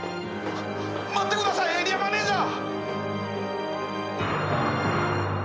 待ってくださいエリアマネージャー！